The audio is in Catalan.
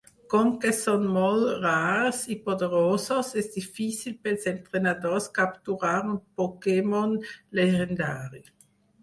Com que són molt rars i poderosos, és difícil pels entrenadors capturar un Pokémon llegendari.